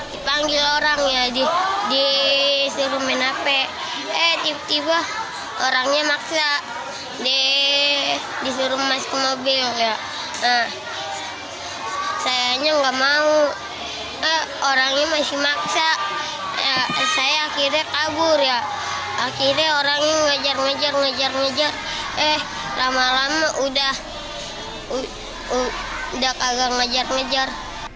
saya akhirnya kabur ya akhirnya orangnya ngejar ngejar ngejar ngejar eh lama lama udah kagak ngejar ngejar